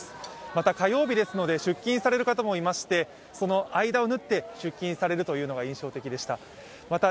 また火曜日ですので出勤される方もいましてその間を塗って出勤されるというのが印象的でした。